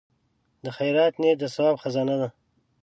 د خیر نیت د ثواب خزانه ده.